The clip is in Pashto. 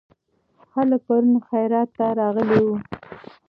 خلک پرون خیرات ته راغلي وو.